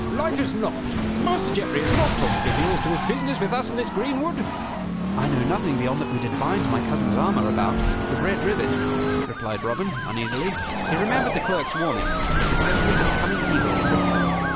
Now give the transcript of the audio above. "Like as not, Master Geoffrey has not talked with you as to his business with us in this greenwood?" "I know nothing beyond that we did bind my cousin's armor about with red ribbon," replied Robin, uneasily. He remembered the clerk's warning, and a presentiment of coming evil pricked him.